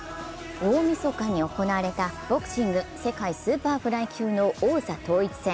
大みそかに行われたボクシング世界スーパーフライ級の王座統一戦。